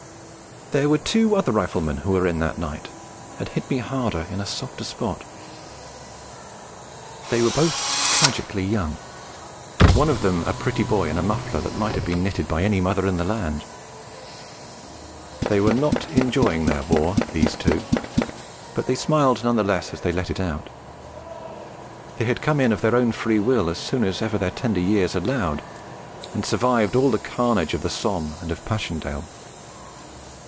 There were two other Riflemen who were in that night, and hit me harder in a softer spot. They were both tragically young, one of them a pretty boy in a muffler that might have been knitted by any mother in the land. They were not enjoying their war, these two, but they smiled none the less as they let it out; they had come in of their own free will, as soon as ever their tender years allowed, and survived all the carnage of the Somme and of Passchendaele.